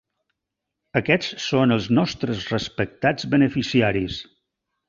Aquests són els nostres respectats beneficiaris.